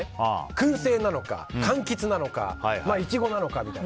燻製なのか、かんきつなのかイチゴなのかみたいな。